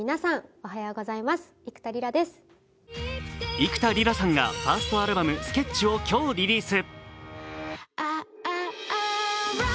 幾田りらさんがファーストアルバム「Ｓｋｅｔｃｈ」を今日リリース。